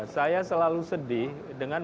saya selalu sedih dengan